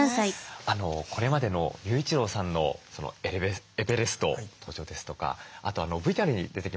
これまでの雄一郎さんのエベレスト登頂ですとかあとＶＴＲに出てきました